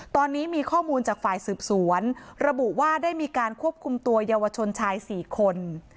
ตอนนี้มีข้อมูลจากฝ่ายสืบสวนระบุว่าได้มีการควบคุมตัวเยาวชนชาย๔คน